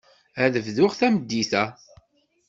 Ad bduɣ tameddit-a.